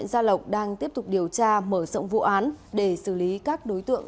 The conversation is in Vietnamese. sau một mươi hai năm lẩn trốn